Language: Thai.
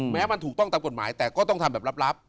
แม้มันถูกต้องตามกฎหมายแต่ก็ต้องทำแบบลับ